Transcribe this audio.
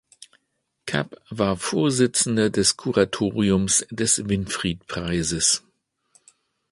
Kapp war Vorsitzender des Kuratoriums des Winfried-Preises.